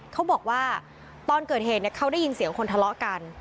เขาบอกว่าตอนเกิดเหตุเขาได้ยินเสียงคนทะเลาะกัน